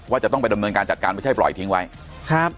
จะต้องไปดำเนินการจัดการไม่ใช่ปล่อยทิ้งไว้ครับ